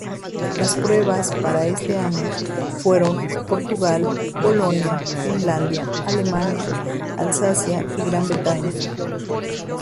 Las pruebas para ese año fueron: Portugal, Polonia, Finlandia, Alemania, Alsacia y Gran Bretaña.